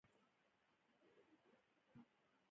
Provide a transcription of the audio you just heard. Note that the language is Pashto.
ما ورته وویل: زه خو کوم مشکل نه لرم، ښه شپه ولرئ.